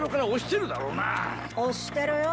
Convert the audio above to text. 押してるよ。